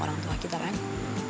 sama orang tua kita rai